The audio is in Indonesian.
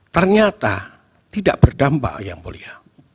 ternyata tidak berdampak yang mulia